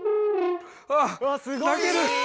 わっ泣ける！